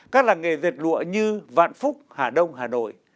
các làng nghề dệt lụa như vạn phúc hà đông hà nội